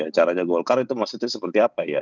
caranya gokar itu maksudnya seperti apa